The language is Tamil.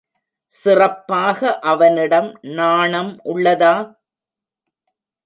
சிறப்பாக அவனிடம் நாணம் உள்ளதா?